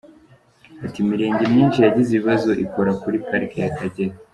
Ati “Imirenge myinshi yagize ibibazo ikora kuri Pariki y’Akagera.